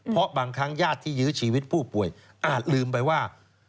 เพราะบางครั้งญาติที่ยื้อชีวิตผู้ป่วยอาจลืมไปว่า